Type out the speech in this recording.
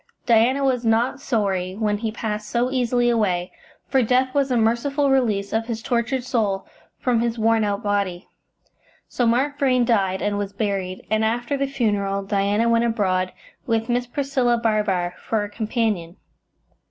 Diana was not sorry when he passed so easily away, for death was a merciful release of his tortured soul from his worn out body. So Mark Vrain died, and was buried, and after the funeral Diana went abroad, with Miss Priscilla Barbar for a companion.